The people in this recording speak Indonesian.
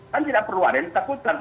kan tidak perlu ada yang ditakutkan